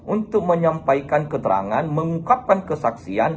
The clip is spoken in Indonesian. untuk menyampaikan keterangan mengungkapkan kesaksian